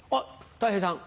たい平さん。